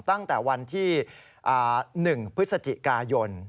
ตั้งแต่วันที่๑พฤศจิกายน